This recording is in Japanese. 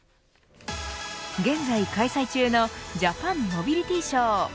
現在開催中のジャパンモビリティショー。